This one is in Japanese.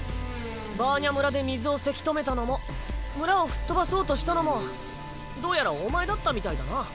バーニャ村で水をせき止めたのも村を吹っ飛ばそうとしたのもどうやらお前だったみたいだな。